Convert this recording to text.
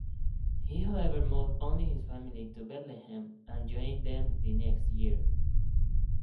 He however moved only his family to Bethlehem and joined them the next year.